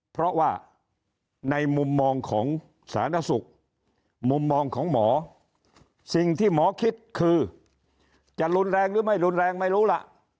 เพราะว่าในมุมมองของสาธารณสุขมุมมองของหมอสิ่งที่หมอคิดคือจะรุนแรงหรือไม่รุนแรงไม่รู้ล่ะ